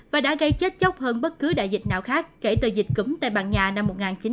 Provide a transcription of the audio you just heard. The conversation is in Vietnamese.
và đã gây chết chóc hơn bất cứ đại dịch nào khác kể từ dịch cúm tây ban nha năm một nghìn chín trăm chín mươi